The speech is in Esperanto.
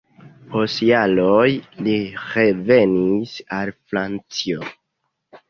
Post jaroj li revenis al Francio.